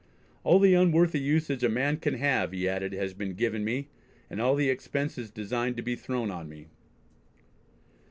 All the unworthy usage a man can have," he added, "has been given me, and all the expenses designed to be thrown on me."